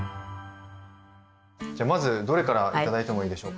じゃまずどれからいただいてもいいでしょうか？